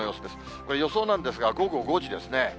これ、予想なんですが、午後５時ですね。